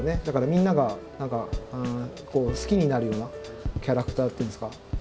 だからみんなが好きになるようなキャラクターっていうんですか。